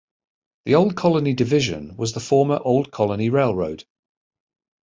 The Old Colony Division was the former Old Colony Railroad.